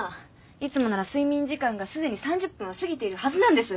いつもなら睡眠時間がすでに３０分を過ぎているはずなんです。